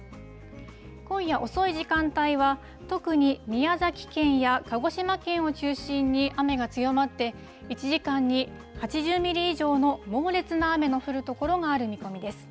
今夜遅い時間帯は、特に宮崎県や鹿児島県を中心に雨が強まって、１時間に８０ミリ以上の猛烈な雨の降る所がある見込みです。